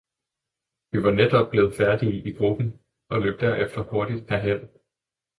Vi var netop blevet færdige i gruppen og løb derefter hurtigt herhen.